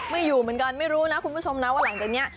อยู่เหมือนกันไม่รู้นะคุณผู้ชมนะว่าหลังจากนี้